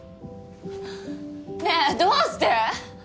ねえどうして？